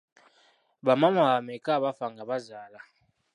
Bamaama bameka abafa nga bazaala?